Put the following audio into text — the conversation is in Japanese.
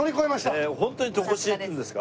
ホントにとこしえっていうんですか？